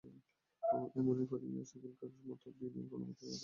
এমনি করিয়া সেদিনকার মতো বিনয় কোনোমতে কথাটা চাপা দিয়া রাখিল।